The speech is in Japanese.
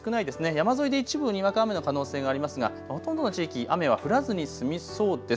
山沿いで一部にわか雨の可能性がありますがほとんどの地域、雨は降らずに済みそうです。